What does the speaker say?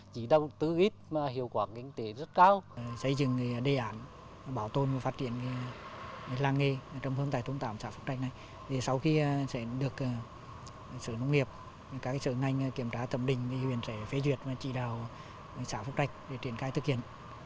các sở ngành kiểm tra tầm đỉnh huyện sẽ phế duyệt và chỉ đào xã phúc trạch để triển khai thực hiện